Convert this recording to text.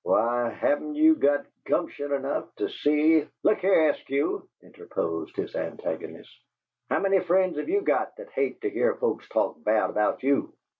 "Why, haven't you got gumption enough to see " "Look here, Eskew," interposed his antagonist. "How many friends have you got that hate to hear folks talk bad about you?"